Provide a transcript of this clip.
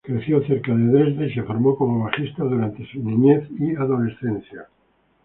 Creció cerca de Dresde y se formó como bajista durante su niñez y adolescencia.